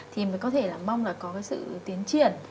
thì mới có thể là mong là có cái sự tiến triển